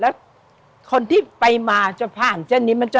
แล้วคนที่ไปมาจะผ่านแจ้นนี้